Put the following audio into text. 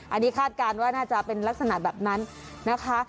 อันนี้คาดการณ์ว่าน่าจะเป็นลักษณะแบบนั้นนะคะ